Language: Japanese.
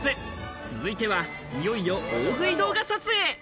続いては、いよいよ大食い動画撮影。